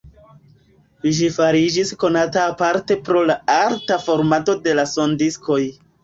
Ĝi fariĝis konata aparte pro la arta formado de la sondiskoj.